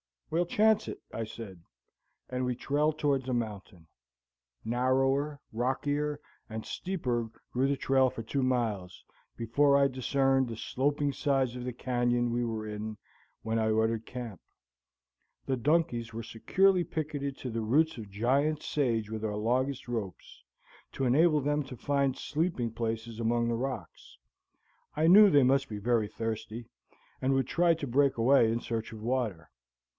"We'll chance it," I said; and we trailed toward the mountain. Narrower, rockier and steeper grew the trail for two miles, before I discerned the sloping sides of the canyon we were in, when I ordered camp. The donkeys were securely picketed to the roots of giant sage with our longest ropes, to enable them to find sleeping places among the rocks; I knew they must be very thirsty, and would try to break away in search of water.